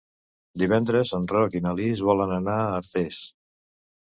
Divendres en Roc i na Lis volen anar a Artés.